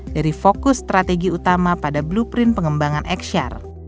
dari fokus strategi utama pada blueprint pengembangan exchar